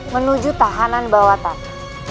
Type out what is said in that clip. menuju tahanan bawah tanah